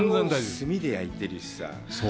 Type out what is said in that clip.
炭で焼いてるしさ。